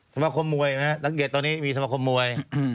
สมาคมมวยรังเกียจตอนนี้มีสมาคมมวย